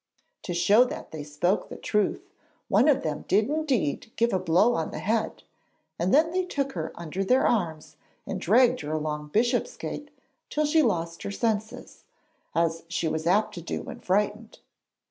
To show that they spoke the truth, one of them did indeed give a blow on the head, and then they took her under the arms and dragged her along Bishopsgate till she lost her senses, as she was apt to do when frightened.